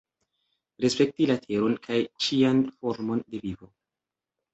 Respekti la Teron kaj ĉian formon de vivo.